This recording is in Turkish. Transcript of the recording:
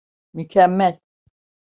Mükemmel.